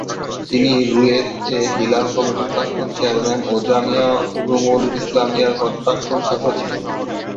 তিনি রুয়েত-এ-হিলাল কমিটির প্রাক্তন চেয়ারম্যান ও জামিয়া উলুমুল ইসলামিয়ার প্রাক্তন ছাত্র ছিলেন।